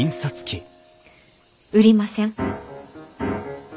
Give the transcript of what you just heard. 売りません。